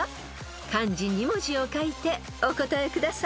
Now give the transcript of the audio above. ［漢字２文字を書いてお答えください］